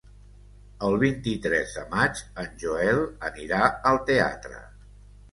El vint-i-tres de maig en Joel anirà al teatre.